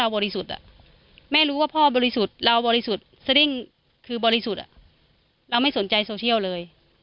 บริสุทธิ์คือบริสุทธิ์เราไม่สนใจโซเชียลเลย